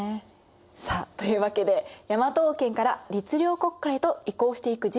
さあというわけで大和王権から律令国家へと移行していく時期。